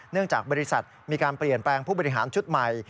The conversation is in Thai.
จากบริษัทมีการเปลี่ยนแปลงผู้บริหารชุดใหม่